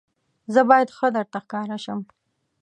زه باید ښه درته ښکاره شم.